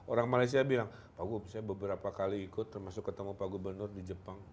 orang malaysia bilang pak gup saya beberapa kali ikut termasuk ketemu pak gubernur di jepang